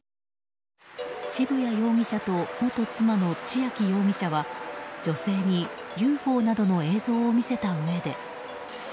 渋谷容疑者と元妻の千秋容疑者は女性にＵＦＯなどの映像を見せたうえで。